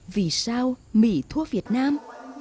vì sao mỹ thua việt nam